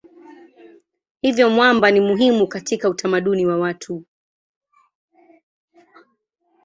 Hivyo mwamba ni muhimu katika utamaduni wa watu.